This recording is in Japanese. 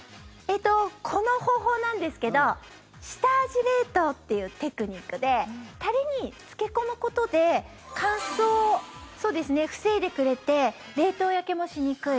この方法なんですが下味冷凍っていうテクニックでタレに漬け込むことで乾燥を防いでくれて冷凍焼けもしにくい。